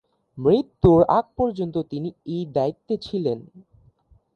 মৃত্যুর আগ পর্যন্ত তিনি এই দায়িত্বে ছিলেন।